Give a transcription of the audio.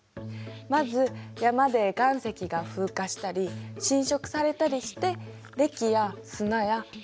まず山で岩石が風化したり浸食されたりしてれきや砂や泥になる。